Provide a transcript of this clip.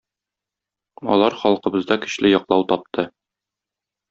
Алар халкыбызда көчле яклау тапты.